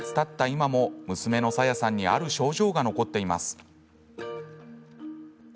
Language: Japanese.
今も娘のさやさんにある症状が残っています。